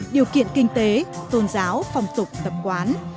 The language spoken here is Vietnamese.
điều kiện kinh tế tôn giáo phong tục tập quán